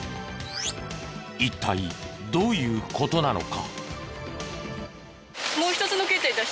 一体どういう事なのか？